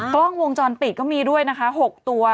กล้องวงจรปิดก็มีด้วยนะคะ๖ตัว